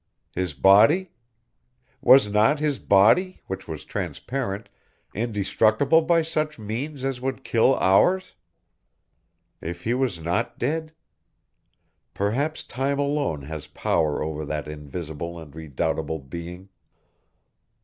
His body? Was not his body, which was transparent, indestructible by such means as would kill ours? If he was not dead?... Perhaps time alone has power over that Invisible and Redoubtable Being.